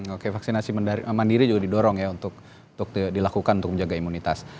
oke vaksinasi mandiri juga didorong ya untuk dilakukan untuk menjaga imunitas